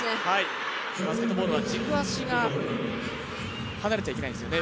バスケットボールは軸足が離れちゃいけないんですよね。